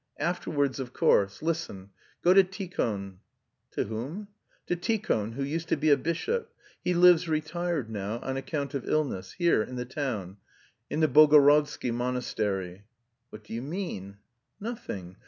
Afterwards, of course.... Listen. Go to Tikhon." "To whom?" "To Tikhon, who used to be a bishop. He lives retired now, on account of illness, here in the town, in the Bogorodsky monastery." "What do you mean?" "Nothing.